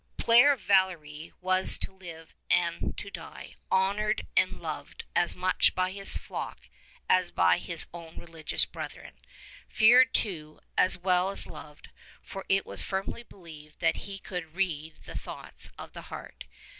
Here Valery was to live and to die, honoured and loved as much by his flock as by his own religious brethren. Feared too, as well as loved ; for it was firmly believed that he could read the thoughts of the heart.